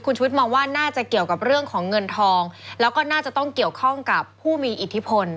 ชุวิตมองว่าน่าจะเกี่ยวกับเรื่องของเงินทองแล้วก็น่าจะต้องเกี่ยวข้องกับผู้มีอิทธิพล